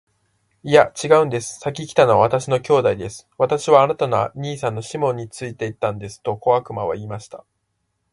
「いや、ちがうんです。先来たのは私の兄弟です。私はあなたの兄さんのシモンについていたんです。」と小悪魔は言いました。